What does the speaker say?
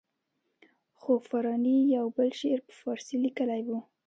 خو فاراني یو بل شعر په فارسي لیکلی وو.